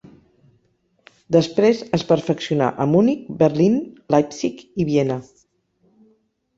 Després es perfeccionà a Munic, Berlín, Leipzig i Viena.